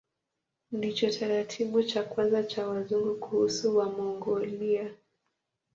Ndicho kitabu cha kwanza cha Wazungu kuhusu Wamongolia.